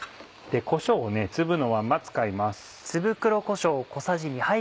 こしょうを粒のまんま使います。